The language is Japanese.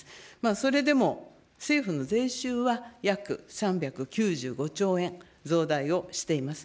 それでも政府の税収は約３９５兆円増大をしています。